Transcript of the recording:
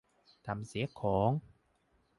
ทำเสียของ